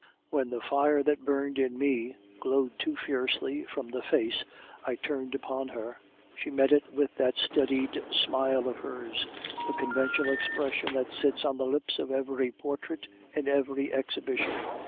"When the fire that burned in me glowed too fiercely from the face I turned upon her, she met it with that studied smile of hers, the conventional expression that sits on the lips of every portrait in every exhibition.